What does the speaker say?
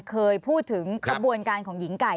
เคยพูดถึงขบวนการของหญิงไก่